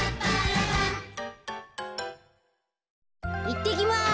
いってきます。